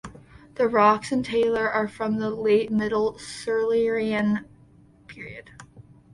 The rocks in Taylor are from the late middle Silurian period.